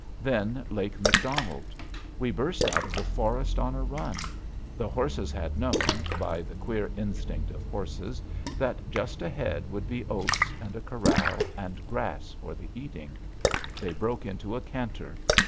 Then Lake Macdonald. We burst out of the forest on a run. The horses had known, by the queer instinct of horses, that just ahead would be oats and a corral and grass for the eating. They broke into a canter.